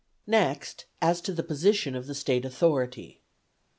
Next, as to the position of the State Authority.